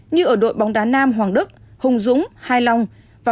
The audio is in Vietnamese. như ở đội bóng đá nam hoàng đức hùng dũng hai long